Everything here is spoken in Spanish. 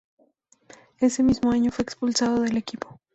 Ese mismo año, fue expulsado del equipo.